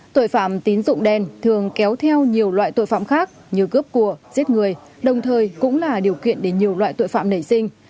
tội phạm tín dụng đen thường kéo theo nhiều loại tội phạm khác như cướp cùa giết người đồng thời cũng là điều kiện để nhiều loại tội phạm nảy sinh